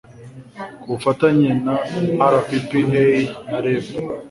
Ku bufatanye na RPPA na REB